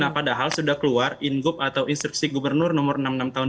nah padahal sudah keluar ingup atau instruksi gubernur nomor enam puluh enam tahun dua ribu dua